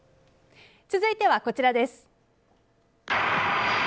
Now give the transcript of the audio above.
続いては、こちらです。